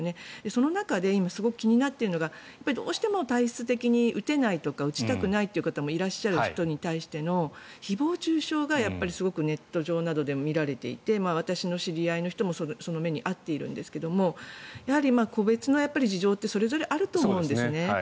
その中で今、すごく気になっているのがどうしても体質的に打てないとか打ちたくないという方もいらっしゃることに対して誹謗・中傷がすごくネット上などでも見られていて私の知り合いの人もその目に遭っているんですがやはり個別の事情ってそれぞれあると思うんですね。